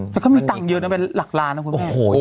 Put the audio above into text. แล้วเขามีตังค์เยอะเนี่ยมันเป็นหลักลานนะครับ